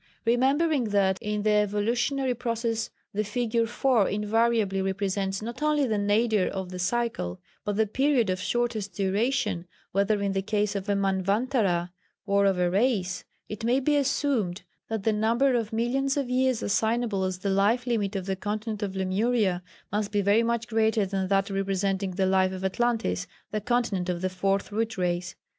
Remembering that in the evolutionary process the figure four invariably represents not only the nadir of the cycle, but the period of shortest duration, whether in the case of a Manvantara or of a race, it may be assumed that the number of millions of years assignable as the life limit of the continent of Lemuria must be very much greater than that representing the life of Atlantis, the continent of the Fourth Root Race.